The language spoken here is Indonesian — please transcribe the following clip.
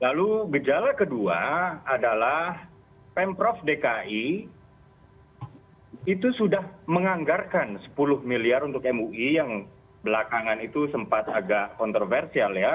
lalu gejala kedua adalah pemprov dki itu sudah menganggarkan sepuluh miliar untuk mui yang belakangan itu sempat agak kontroversial ya